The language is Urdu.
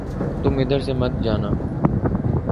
تم ادھر سے مت جانا